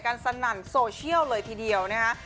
สนั่นโซเชียลเลยทีเดียวนะคะ